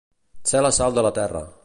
Ser la sal de la terra.